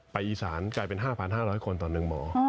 อีสานกลายเป็น๕๕๐๐คนต่อ๑หมอ